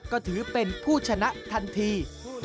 ก็ถือเป็นผู้ชนะทันที